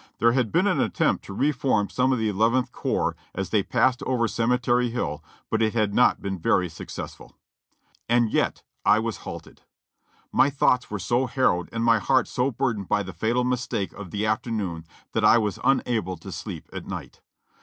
There had been an attempt to reform some of the Eleventh Corps as they passed over Cemetery Hill, but it had not been very successful.' And yet I was halted! "My thoughts were so harrowed and my heart so burdened by the fatal mistake of the afternoon that I was unable to sleep at night.